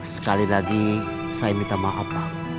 sekali lagi saya minta maaf pak